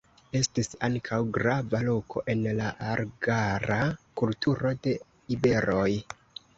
Estis ankaŭ grava loko en la argara kulturo de iberoj.